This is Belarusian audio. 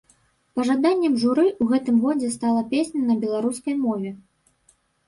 Пажаданнем журы ў гэтым годзе стала песня на беларускай мове.